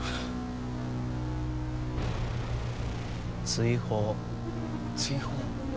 追放追放？